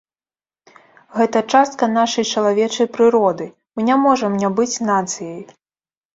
Гэта частка нашай чалавечай прыроды, мы не можам не быць нацыяй.